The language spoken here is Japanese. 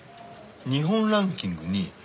日本ランキング２位。